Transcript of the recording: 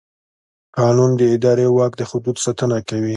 قانون د اداري واک د حدودو ساتنه کوي.